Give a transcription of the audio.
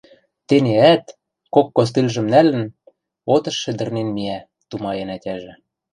«Тенеӓт, кок костыльжым нӓлӹн, отыш шӹдӹрнен миӓ», — тумаен ӓтяжӹ.